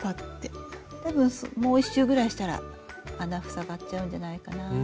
多分もう１周ぐらいしたら穴塞がっちゃうんじゃないかな。